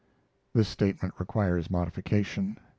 This statement requires modification.